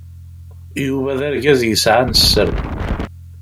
Yuba d argaz yesɛan sser.